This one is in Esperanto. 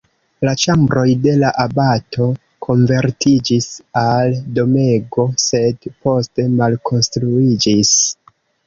La ĉambroj de la abato konvertiĝis al domego, sed poste malkonstruiĝis.